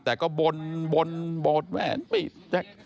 แต่ก็บนบนบนแหวนปิด